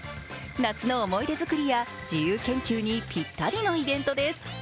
夏の思い出作りや自由研究にぴったりのイベントです。